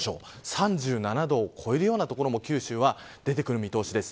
３７度を超えるような所も九州出てくる見通しです。